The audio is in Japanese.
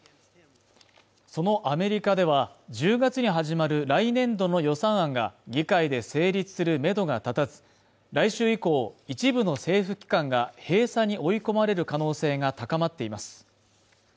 そのアメリカでは１０月から始まる来年度の予算案が議会で成立するメドが立たず来週以降一部の政府機関が閉鎖に追い込まれる可能性が高まっています